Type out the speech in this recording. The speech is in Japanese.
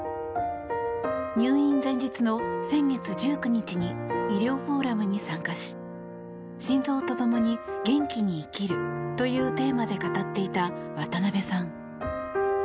入院前日の先月１９日に医療フォーラムに参加し心臓と共に元気に生きるというテーマで語っていた渡辺さん。